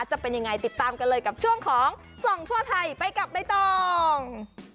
จะเป็นยังไงติดตามกันเลยกับช่วงของส่องทั่วไทยไปกับใบตอง